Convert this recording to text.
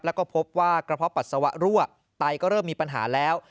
แล้วก็พบว่ากระเพาะปัสสาวะรั่วไตก็เริ่มมีปัญหาแล้ว